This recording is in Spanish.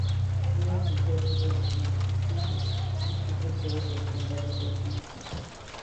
Tiene su sede en Nashville y sirve todo del Condado de Davidson.